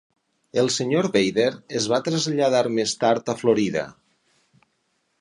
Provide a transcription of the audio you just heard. El senyor Vader es va traslladar més tard a Florida.